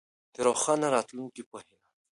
د روښانه راتلونکي په هيله.